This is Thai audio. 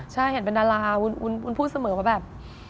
ใช่เห็นเป็นดาราวุ้นพูดเสมอว่าแบบ